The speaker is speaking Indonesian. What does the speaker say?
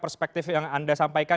perspektif yang anda sampaikan